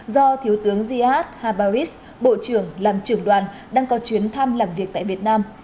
do thiếu tướng ziad habarit bộ trưởng làm trưởng đoàn đang có chuyến thăm làm việc tại việt nam